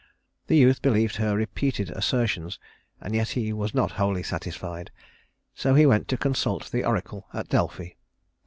The youth believed her repeated assertions, and yet he was not wholly satisfied; so he went to consult the oracle at Delphi.